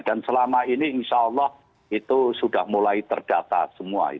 dan selama ini insya allah itu sudah mulai terdata semua